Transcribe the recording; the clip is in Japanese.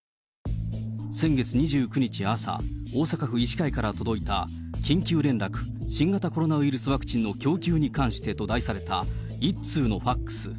先月２９日朝、大阪府医師会から届いた、緊急連絡・新型コロナウイルスワクチンの供給に関してと題された一通のファックス。